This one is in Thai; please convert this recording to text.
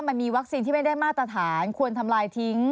มันมีวัคซีนที่ไม่ได้มาตรฐานควรทำลายทิ้ง